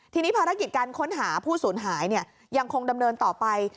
ทีนี้ภารกิจการค้นหาผู้สูญหายยังคงดำเนินต่อไป